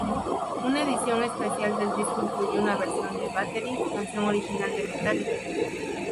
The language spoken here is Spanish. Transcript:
Una edición especial del disco incluye una versión de "Battery", canción original de Metallica.